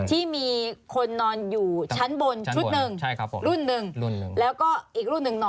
ที่มีคนนอนอยู่ชั้นบนชุดหนึ่งใช่ครับผมรุ่นหนึ่งรุ่นหนึ่งแล้วก็อีกรุ่นหนึ่งนอน